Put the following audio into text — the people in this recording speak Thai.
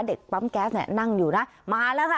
เด็กปั๊มแก๊สเนี่ยนั่งอยู่นะมาแล้วค่ะ